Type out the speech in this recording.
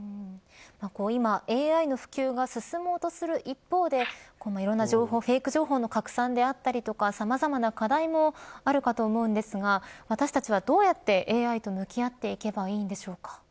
今ＡＩの普及が進もうとする一方でいろんな情報、フェイク情報の拡散であったりさまざまな課題もあるかと思うんですが私たちはどうやってＡＩと向き合っていけばいいんでしょうか。